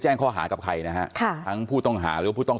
แจ้งข้อหากับใครนะครับค่ะทั้งผู้ต้องหาหรือผู้ต้อง